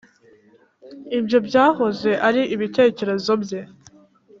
ibyo byahoze ari ibitekerezo bye.